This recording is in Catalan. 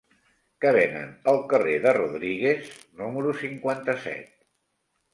Què venen al carrer de Rodríguez número cinquanta-set?